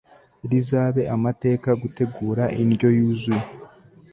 rizabe amateka gutegura indyo yuzuye